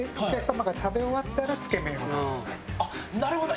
あっなるほど！